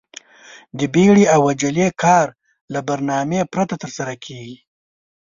د بيړې او عجلې کار له برنامې پرته ترسره کېږي.